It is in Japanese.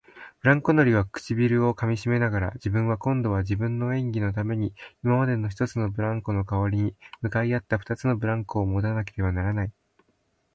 ブランコ乗りは唇をかみながら、自分は今度は自分の演技のために今までの一つのブランコのかわりに向かい合った二つのブランコをもたなければならない、